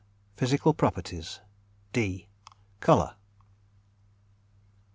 PHYSICAL PROPERTIES. D COLOUR.